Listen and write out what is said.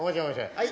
はい。